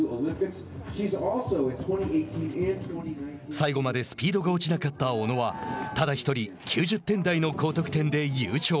最後までスピードが落ちなかった小野はただ１人９０点台の高得点で優勝。